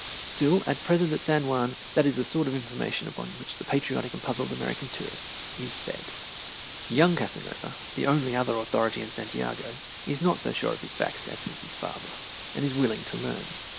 Still, at present at San Juan that is the sort of information upon which the patriotic and puzzled American tourist is fed. Young Casanova, the only other authority in Santiago, is not so sure of his facts as is his father, and is willing to learn.